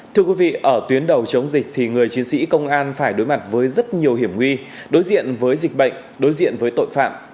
thưa quý vị ở tuyến đầu chống dịch thì người chiến sĩ công an phải đối mặt với rất nhiều hiểm nguy đối diện với dịch bệnh đối diện với tội phạm